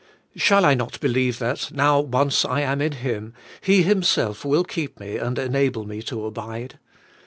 Shall I not believe that, now I once am in Eim, He Himself will keep me and enable me to abide?